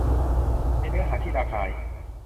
ในเนื้อหาที่หลากหลาย